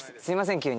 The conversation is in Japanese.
すいません